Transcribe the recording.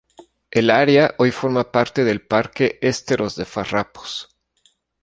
El área hoy forma parte del parque Esteros de Farrapos.